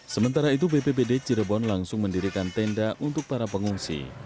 sementara itu bpbd cirebon langsung mendirikan tenda untuk para pengungsi